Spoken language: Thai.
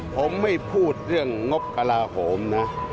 ผมไม่พูดเรื่องงบกระลาโหมนะ